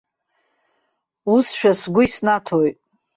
Усшәа сгәы иснаҭоит.